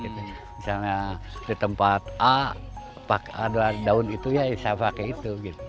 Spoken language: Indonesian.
misalnya di tempat a ada daun itu ya saya pakai itu